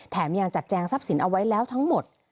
ยังจัดแจงทรัพย์สินเอาไว้แล้วทั้งหมด